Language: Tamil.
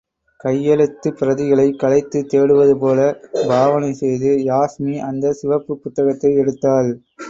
கையெழுத்துப் பிரதிகளைக் கலைத்துத் தேடுவதுபோல் பாவனை செய்து, யாஸ்மி அந்த சிவப்புப் புத்தகத்தை எடுத்தாள்.